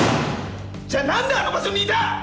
じゃ何であの場所にいた！